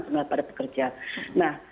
semula pada pekerja nah